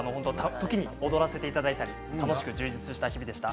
時に踊らせていただいたり楽しく充実した日々でした。